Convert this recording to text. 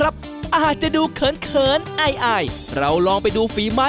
ผู้ชายมาขอสิ